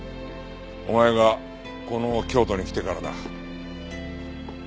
お前がこの京都に来てからだ。